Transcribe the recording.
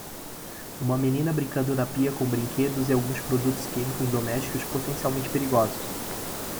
Uma menina brincando na pia com brinquedos e alguns produtos químicos domésticos potencialmente perigosos